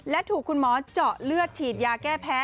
และถูกคุณหมอเจาะเลือดฉีดยาแก้แพ้